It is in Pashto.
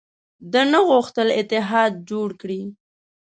ده نه غوښتل اتحاد جوړ کړي.